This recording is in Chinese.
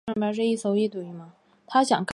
曾担任中国湖北省博物馆馆长。